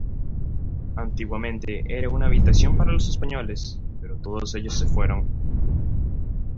Antiguamente, era una habitación para los españoles, pero todos ellos se fueron.